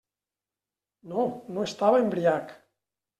No, no estava embriac.